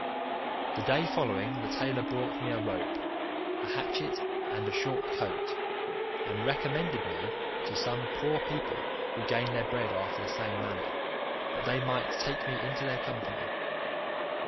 The day following the tailor brought me a rope. a hatchet, and a short coat, and recommended me to some poor people who gained their bread after the same manner, that they might take me into their company.